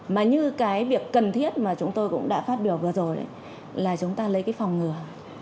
mà như cái việc cần thiết mà chúng tôi cũng đã phát biểu vừa rồi là chúng ta lấy cái phòng ngừa